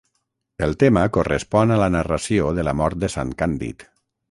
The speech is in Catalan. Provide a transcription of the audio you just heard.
El tema correspon a la narració de la mort de sant Càndid.